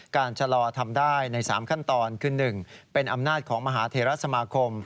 ชะลอทำได้ใน๓ขั้นตอนคือ๑เป็นอำนาจของมหาเทราสมาคม